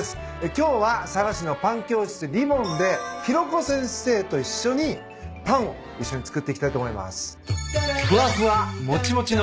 今日は佐賀市のパン教室リボンで裕子先生と一緒にパンを一緒に作っていきたいと思います。